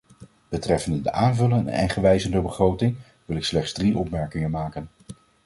Betreffende de aanvullende en gewijzigde begrotingen wil ik slechts drie opmerkingen maken.